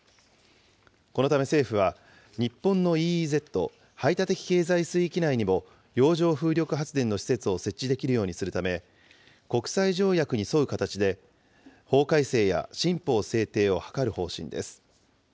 このため政府は、日本のＥＥＺ・排他的経済水域内にも、洋上風力発電の施設を設置できるようにするため、国際条約に沿う形で、法改正や新法制定を図る方針です。